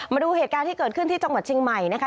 มาดูเหตุการณ์ที่เกิดขึ้นที่จังหวัดเชียงใหม่นะคะ